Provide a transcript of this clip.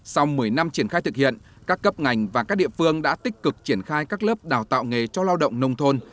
sau một mươi năm triển khai thực hiện các cấp ngành và các địa phương đã tích cực triển khai các lớp đào tạo nghề cho lao động nông thôn